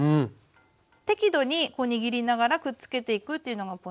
適度に握りながらくっつけていくというのがポイントですね。